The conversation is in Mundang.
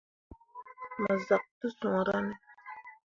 Mo zak te suura ne.